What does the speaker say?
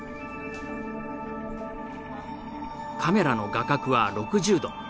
カメラの画角は６０度。